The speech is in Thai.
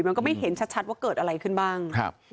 มันก็ไม่เห็นชัดว่าเกิดอะไรขึ้นบ้าง